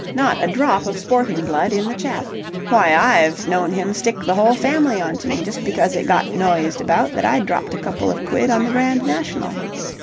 Not a drop of sporting blood in the chap. Why I've known him stick the whole family on to me just because it got noised about that I'd dropped a couple of quid on the Grand National.